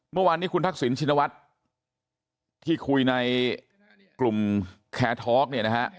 เมื่อวานนี้คุณทักษิณชินวัฒน์ที่คุยในกลุ่มแคร์ทอล์กเนี่ยนะฮะ